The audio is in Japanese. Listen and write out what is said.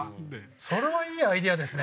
それはいいアイデアですね。